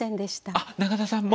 あっ中田さんも？